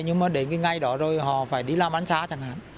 nhưng mà đến cái ngày đó rồi họ phải đi làm án xá chẳng hạn